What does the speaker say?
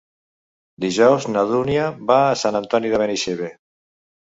Dijous na Dúnia va a Sant Antoni de Benaixeve.